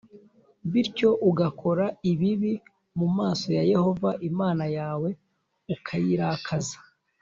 bityo ugakora ibibi mu maso ya Yehova Imana yawe ukayirakaza,